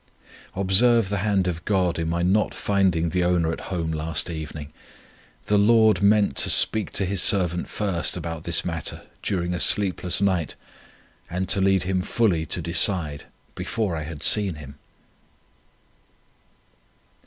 "Observe the hand of God in my not finding the owner at home last evening! The Lord meant to speak to His servant first about this matter, during a sleepless night, and to lead him fully to decide, before I had seen him."